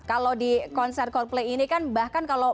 kalau di konser coldplay ini kan bahkan kalau